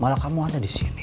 malah kamu ada disini